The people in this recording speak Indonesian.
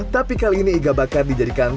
tapi kali ini iga bakar dijadikan